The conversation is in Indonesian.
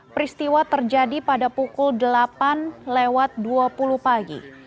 peristiwa terjadi pada pukul delapan lewat dua puluh pagi